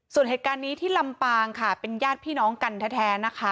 ส่วนเหตุการณ์นี้ที่ลำปางค่ะเป็นญาติพี่น้องกันแท้นะคะ